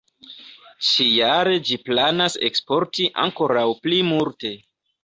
Ĉi-jare ĝi planas eksporti ankoraŭ pli multe.